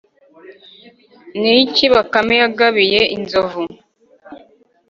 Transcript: ni iki bakame yagabiye inzovu?